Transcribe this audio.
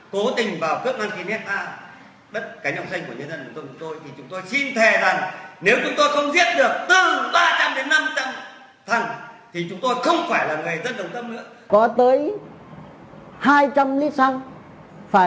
thì chúng tôi xin thề rằng nếu chúng tôi không giết được từ ba trăm linh đến năm trăm linh thằng thì chúng tôi không phải là người dân đồng tâm nữa